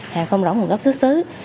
hàng không rõ nguồn gốc xứ xứ